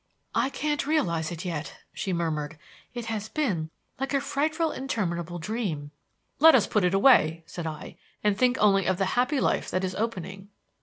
"I can't realize it yet," she murmured. "It has been like a frightful, interminable dream." "Let us put it away," said I, "and think only of the happy life that is opening."